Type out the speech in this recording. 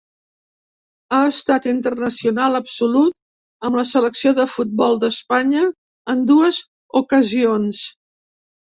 Ha estat internacional absolut amb la selecció de futbol d'Espanya en dues ocasions.